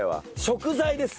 食材です